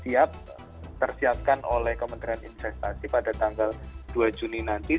siap tersiapkan oleh kementerian investasi pada tanggal dua juni nanti